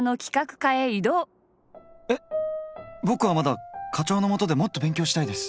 ボクはまだ課長のもとでもっと勉強したいです！